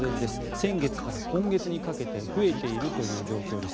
先月から今月にかけて増えている状況です。